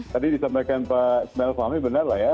tadi disampaikan pak ismail fahmi benar lah ya